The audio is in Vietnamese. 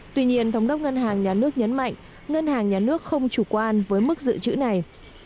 tuy nhiên thống đốc ngân hàng nhà nước nhấn mạnh ngân hàng nhà nước không chủ quan với mức dự trữ này